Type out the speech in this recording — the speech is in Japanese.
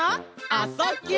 「あ・そ・ぎゅ」